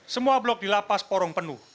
semua blok di lapas porong penuh